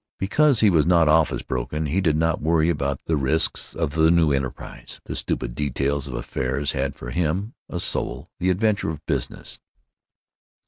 Because he was not office broken he did not worry about the risks of the new enterprise. The stupid details of affairs had, for him, a soul—the Adventure of Business.